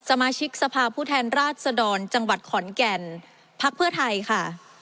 สมาชิกสภาพผู้แทนราชดรจังหวัดขอนแก่นพักเพื่อไทยค่ะ